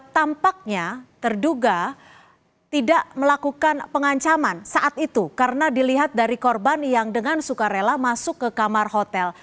tampaknya terduga tidak melakukan pengancaman saat itu karena dilihat dari korban yang dengan suka rela masuk ke kamar hotel